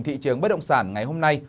thị trường bất động sản ngày hôm nay